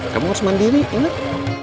kamu harus mandiri ingat